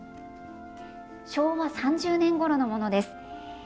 昭和３０年ごろのものです。